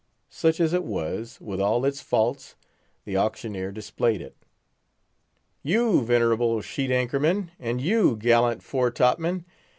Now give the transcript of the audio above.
Such as it was, with all its faults, the auctioneer displayed it. "You, venerable sheet anchor men! and you, gallant fore top men!